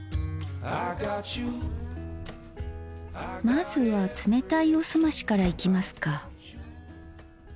まずは冷たいおすましからいきますか。